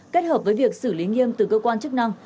kết hợp với việc xử lý nghiêm từ cơ quan chức năng